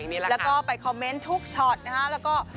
แล้วก็ไปคอมเม้นท์ทุกช็อตนะคะ